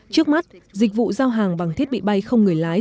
trước mắt dịch vụ giao hàng bằng thiết bị bay không người lái